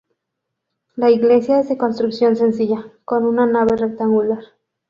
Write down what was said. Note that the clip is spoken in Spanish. La iglesia es de construcción sencilla, con una nave rectangular.